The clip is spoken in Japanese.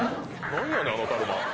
何やねん⁉あのだるま！